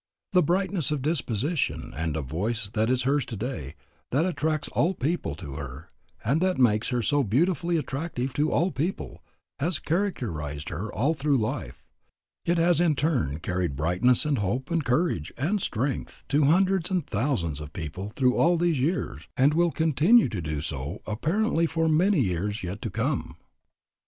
The brightness of disposition and of voice that is hers today, that attracts all people to her and that makes her so beautifully attractive to all people, has characterized her all through life. It has in turn carried brightness and hope and courage and strength to hundreds and thousands of people through all these years, and will continue to do so, apparently, for many years yet to come.